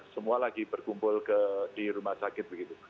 semua lagi berkumpul di rumah sakit begitu